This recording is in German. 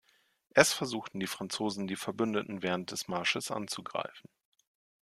Erst versuchten die Franzosen, die Verbündeten während des Marsches anzugreifen.